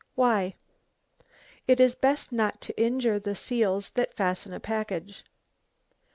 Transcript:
"Why?" "It is best not to injure the seals that fasten a package."